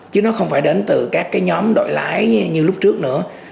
chứ nó không phải đến từ các nhóm đội lái như lúc trước nữa